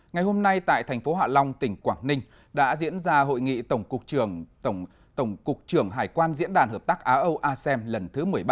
ngày hôm nay tại thành phố hạ long tỉnh quảng ninh đã diễn ra hội nghị tổng cục trưởng hải quan diễn đàn hợp tác á âu asem lần thứ một mươi ba